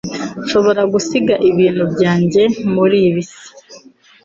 Nshobora gusiga ibintu byanjye muri bisi?